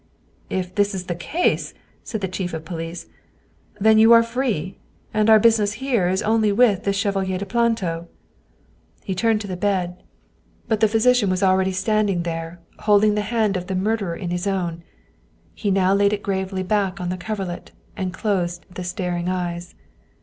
" If this is the case," said the chief of police, " then you are free, and our business here is only with this Chevalier de Planto." He turned to the bed, but the physician was al 129 German Mystery Stories ready standing there, holding the hand of the murderer in his own. He now laid it gravely back on to the coverlet and closed the staring eyes.